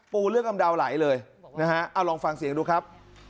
ปูเลือกอำดาวน์ไหลเลยนะฮะเอาลองฟังเสียงดูครับ